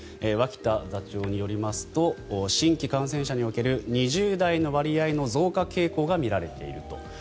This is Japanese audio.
脇田座長によりますと新規感染者における２０代の割合の増加傾向が見られていると。